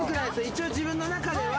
一応自分の中では。